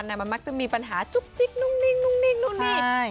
รวมตัวกันมันมักจะมีปัญหาจุ๊บจิ๊กนุ่งนิ่งนุ่งนิ่งนุ่งนิ่ง